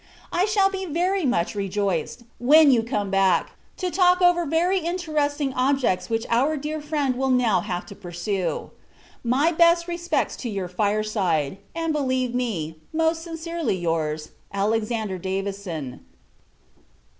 I shall be very much rejoiced, when you come back, to talk over very interesting objects which our dear friend will now have to pursue. My best respects to your fire side; and believe me, most sincerely, your's, ALEX. DAVISON.